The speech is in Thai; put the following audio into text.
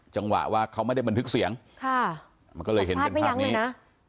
จังหวะว่าเขาไม่ได้บันทึกเสียงค่ะมันก็เลยเห็นเป็นภาพนี้นะ